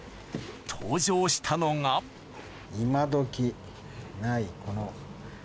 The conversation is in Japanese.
登場したのが今どきないこの。